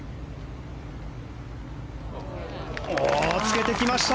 つけてきました！